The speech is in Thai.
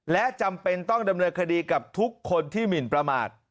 และจำเป็นต้องดำเนินคดีกับทุกคนที่หมินประมาท